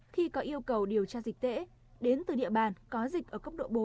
khi có yêu cầu điều tra dịch tễ đến từ địa bàn có dịch ở cấp độ bốn